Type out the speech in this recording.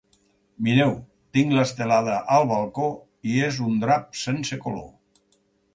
Mireu, tinc l’estelada al balcó i és un drap sense color.